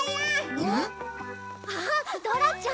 あっドラちゃん。